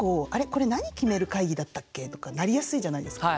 これ何決める会議だったっけ？」とかなりやすいじゃないですか。